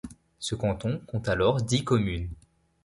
Ce canton compte alors dix communes.